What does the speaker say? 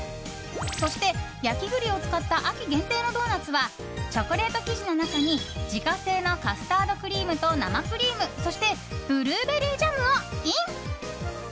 そして焼き栗を使った秋限定のドーナツはチョコレート生地の中に自家製のカスタードクリームと生クリームそしてブルーベリージャムをイン。